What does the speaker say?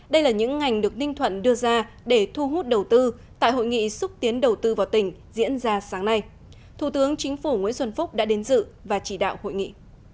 đây là những ngành được ninh thuận đưa ra để thu hút đầu tư tại hội nghị xúc tiến đầu tư vào tỉnh diễn ra sáng nay thủ tướng chính phủ nguyễn xuân phúc đã đến dự và chỉ đạo hội nghị